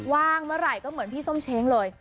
ว่างเมื่อไหร่ก็เหมือนพี่ส้มเช้งเลย